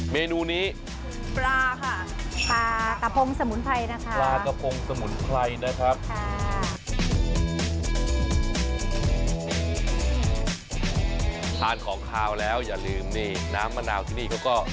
เมนูนี้ปลาค่ะปลากระพงสมุนไพรนะคะปลากระพงสมุนไพรนะครับ